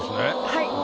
はい。